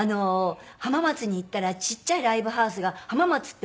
浜松に行ったらちっちゃいライブハウスが浜松って